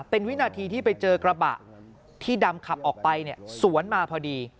เป็นวินาทีที่ไปเจอกระบะที่ดำขับออกไปเนี่ยสวนมาพอดี